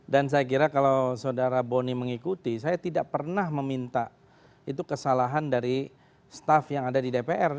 dan saya kira kalau saudara boni mengikuti saya tidak pernah meminta itu kesalahan dari staff yang ada di dpr